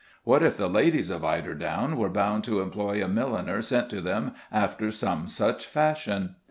What if the ladies of Eiderdown were bound to employ a milliner sent to them after some such fashion?